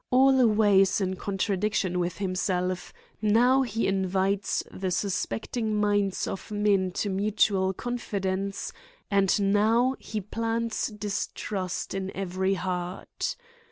Al ways in contradiction with himself, now he invites the suspecting minds of men to mutual confidence, and now he plants distrust in every heart.